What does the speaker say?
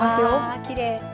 きれい。